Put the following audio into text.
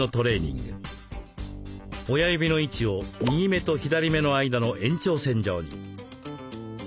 親指の位置を右目と左目の間の延長線上に。